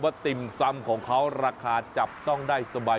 ติ่มซำของเขาราคาจับต้องได้สบาย